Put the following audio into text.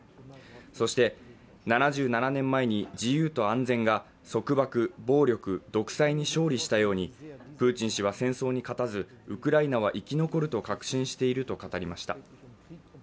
そして、７７年前に自由と安全が束縛、暴力、独裁に勝利したようにプーチン氏は戦争に勝たずウクライナは生き残ると確信していると語りました。